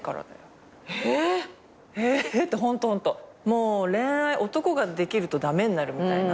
もう恋愛男ができると駄目になるみたいな。